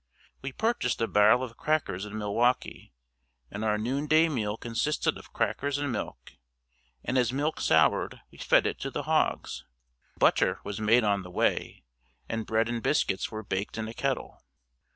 We purchased a barrel of crackers in Milwaukee and our noonday meal consisted of crackers and milk, and as milk soured, we fed it to the hogs. Butter was made on the way, and bread and biscuits were baked in a kettle.